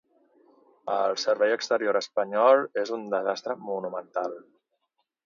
El servei exterior espanyol és un desastre monumental.